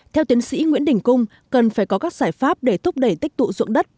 theo tiến sĩ nguyễn đình cung cần phải có các giải pháp để thúc đẩy tích tụ dụng đất